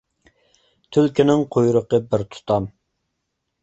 تۈلكىنىڭ قۇيرۇقى بىر تۇتام.